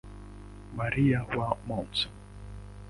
Maria wa Mt.